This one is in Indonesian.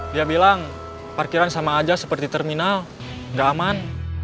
dia bilang parkiran sama aja seperti terminal nggak aman